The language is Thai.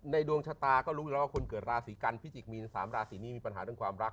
ในดวงชะตาก็รู้แล้วว่าคนเกิดราศีกรรมีผันหรัก